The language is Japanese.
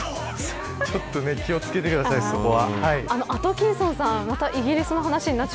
ちょっと気を付けてください、そこは。